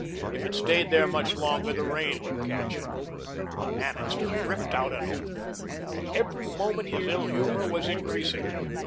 If it stayed there much longer the rain would catch it. Annixter ripped out an oath. At every moment his ill humour was increasing.